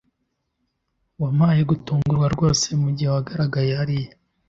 Wampaye gutungurwa rwose mugihe wagaragaye hariya